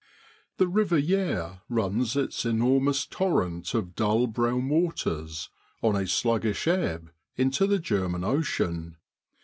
HE river Yare runs its enormous torrent of dull brown waters, on a sluggish ebb, into the German Ocean.